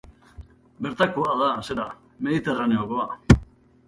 Bertakoa da, zera, Mediterraneokoa.